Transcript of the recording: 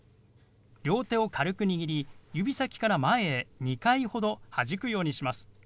両手を軽く握り指先から前へ２回ほどはじくようにします。